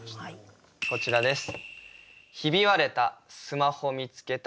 こちらです。